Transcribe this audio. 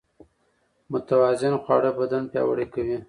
متوازن خواړه بدن پياوړی کوي.